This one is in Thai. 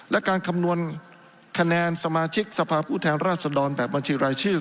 และการคำนวณคะแนนสมาชิกสภาพผู้แทนราชดรแบบบัญชีรายชื่อ